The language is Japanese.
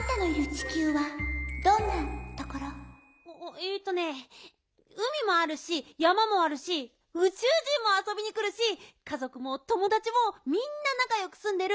えっとねうみもあるし山もあるしうちゅう人もあそびにくるしかぞくもともだちもみんななかよくすんでる